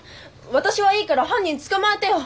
私はいいから犯人捕まえてよ！